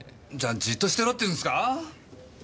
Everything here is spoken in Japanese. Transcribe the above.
じっとしてろって言うんすか？